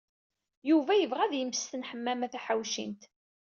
Yuba yebɣa ad yemmesten Ḥemmama Taḥawcint.